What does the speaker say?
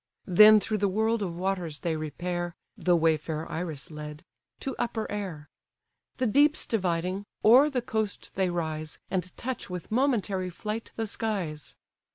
Then through the world of waters they repair (The way fair Iris led) to upper air. The deeps dividing, o'er the coast they rise, And touch with momentary flight the skies.